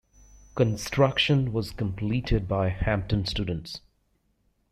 Construction was completed by Hampton students.